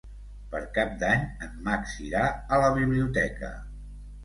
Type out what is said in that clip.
Per Cap d'Any en Max irà a la biblioteca.